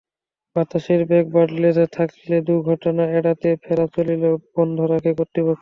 বাতাসের বেগ বাড়লে থাকলে দুর্ঘটনা এড়াতে ফেরি চলাচল বন্ধ রাখে কর্তৃপক্ষ।